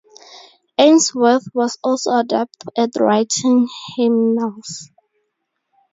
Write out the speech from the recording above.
Ainsworth was also adept at writing hymnals.